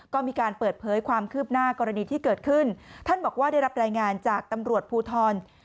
ก็มีการเปิดเผยความคืบหน้ากรณีที่เกิดขึ้นท่านบอกว่าได้รับรายงานจากตำรวจภูทร